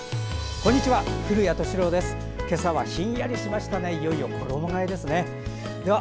こんにちは。